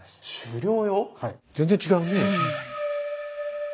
全然違うねえ。